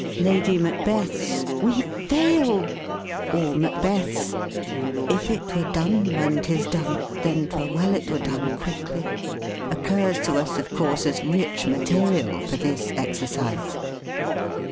Lady Macbeth's, "We fail!" or Macbeth's, "If it were done when 'tis done, then 'twere well it were done quickly," occurs to us, of course, as rich material for this exercise.